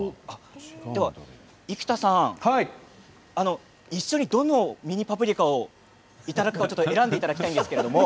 生田さん、一緒にどのミニパプリカを食べるか選んでいただきたいんですけど。